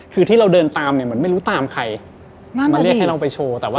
คือที่เราเดินตามเนี่ยเหมือนไม่รู้ตามใครมาเรียกให้เราไปโชว์แต่ว่า